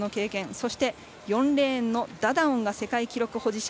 そして、４レーンのダダオンが世界記録保持者。